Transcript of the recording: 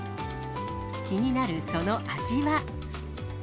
気になるその味は。